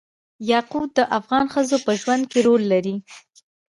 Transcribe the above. یاقوت د افغان ښځو په ژوند کې رول لري.